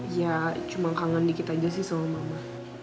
ya cuma kangen dikit aja sih sama mama